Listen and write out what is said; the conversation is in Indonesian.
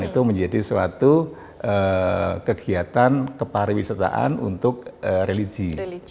itu menjadi suatu kegiatan kepariwisataan untuk religi